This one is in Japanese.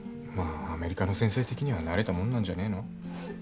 まあアメリカの先生的には慣れたもんなんじゃねえの？